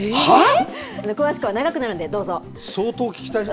詳しくは、長くなるんで、どうぞ！